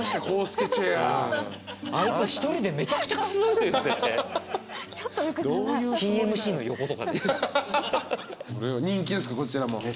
こちらも。